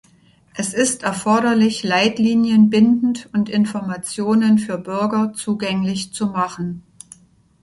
Es ist erforderlich, Leitlinien bindend und Informationen für Bürger zugänglich zu machen.